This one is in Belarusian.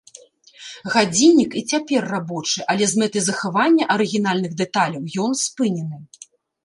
Гадзіннік і цяпер рабочы, але з мэтай захавання арыгінальных дэталяў ён спынены.